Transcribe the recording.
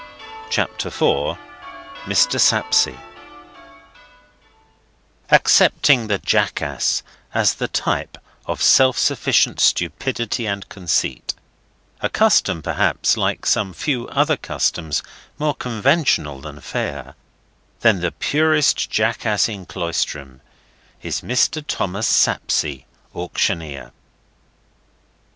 CHAPTER IV. MR. SAPSEA Accepting the Jackass as the type of self sufficient stupidity and conceit—a custom, perhaps, like some few other customs, more conventional than fair—then the purest jackass in Cloisterham is Mr. Thomas Sapsea, Auctioneer.